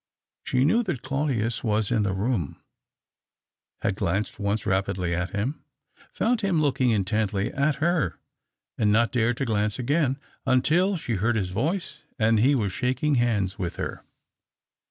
She knew that Claudius was in the room — had glanced once rapidly at him, found him looking intently at her, and not dared to glance again until she heard his voice and he was shaking hands with her.